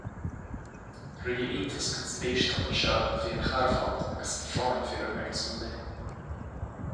Rinne iontas den spéis tobann seo a bhí ina charbhán agus an phráinn a bhí ar an mbeirt ina leith.